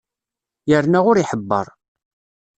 Yerna ur iḥebber.